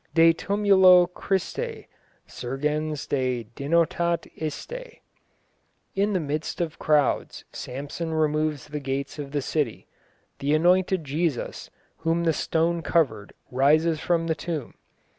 De tumulo Christe: surgens te denotat iste. (In the midst of crowds, Samson removes the gates of the city. The anointed Jesus, whom the stone covered, rises from the tomb.